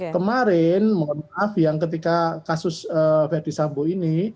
kemarin mohon maaf yang ketika kasus fd sambu ini